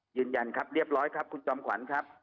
ยืนยันครับเรียบร้อยครับคุณจอมขวัญครับ